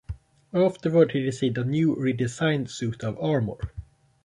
Afterward, he received a new, redesigned suit of armor.